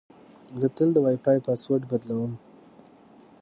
زه تل د وای فای پاسورډ بدلوم.